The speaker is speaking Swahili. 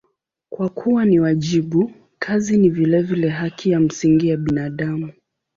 Kwa kuwa ni wajibu, kazi ni vilevile haki ya msingi ya binadamu.